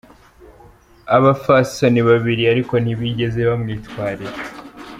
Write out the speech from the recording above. Abo bapfasoni babiri ariko ntibigeze bamwitwarira.